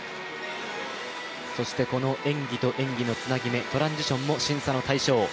そしてこの演技と演技のつなぎ目、トランジションも審査の対象。